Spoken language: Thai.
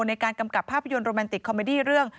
ในการกำกับภาพยนตร์โรแมนติกคอมเมดี้เรื่อง